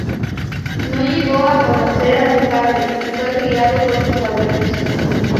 No llegó a conocer a su padre y fue criado por sus abuelos.